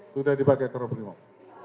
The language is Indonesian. sudah dipakai korporimob